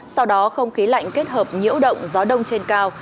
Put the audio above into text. sau đó không khí lạnh kết hợp nhiễu động gió đông trên cao